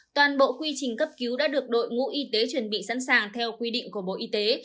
toàn bộ quy trình cấp cứu đã được đội ngũ y tế chuẩn bị sẵn sàng theo quy định của bộ y tế